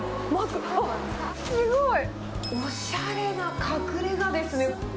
あっ、すごい、おしゃれな隠れがですね。